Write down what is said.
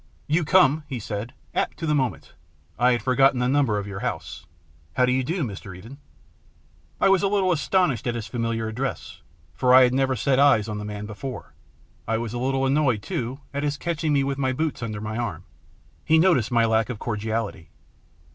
" You come," he said, " apt to the moment. I had forgotten the number of your house. How do you do, Mr. Eden ?" I was a little astonished at his familiar address, for I had never set eyes on the man before. I was a little annoyed, too, at his catching me with my boots under my arm. He noticed my lack of cordiality.